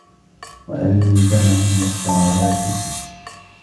وَأَلْزَمَهُمْ مُفْتَرَضَاتِهِ